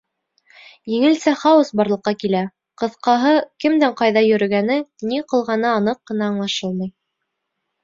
Еңелсә хаос барлыҡҡа килә, ҡыҫҡаһы, кемдең ҡайҙа йөрөгәне, ни ҡылғаны аныҡ ҡына аңлашылмай.